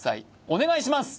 お願いします